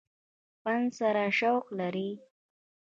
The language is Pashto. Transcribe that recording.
فن سره شوق لري ۔